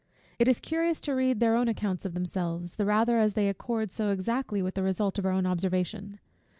It is curious to read their own accounts of themselves, the rather as they accord so exactly with the result of our own observation.